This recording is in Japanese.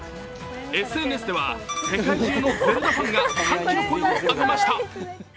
ＳＮＳでは世界中のゼルダファンが歓喜の声を上げました。